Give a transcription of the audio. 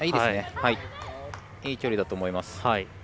いい距離だと思います。